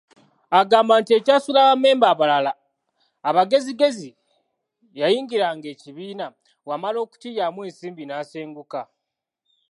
Agamba nti ekyasuula Bammemba abalala abagezigezi yayingiranga ekibiina, bw’amala okukiryamu ensimbi n’asenguka.